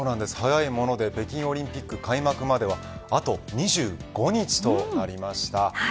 早いもので北京オリンピック開幕まではあと２５日となりました。